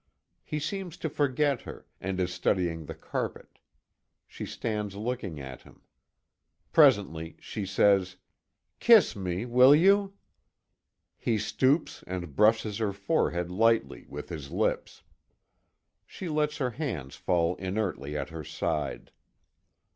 He seems to forget her, and is studying the carpet. She stands looking at him. Presently she says: "Kiss me will you?" He stoops and brushes her forehead lightly, with his lips. She lets her hands fall inertly at her side.